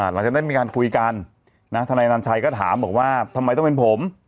หลังจากนั้นมีการคุยกันทนายนันชัยก็ถามบอกว่าทำไมต้องเป็นผม